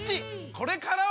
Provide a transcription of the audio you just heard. これからは！